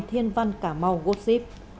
thiên văn cả mau gosi